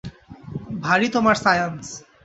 ভারি তোমার সায়ান্স!